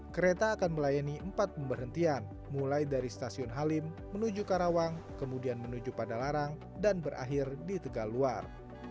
kereta akan melayani empat pemberhentian mulai dari stasiun halim menuju karawang kemudian menuju padalarang dan berakhir di tegaluar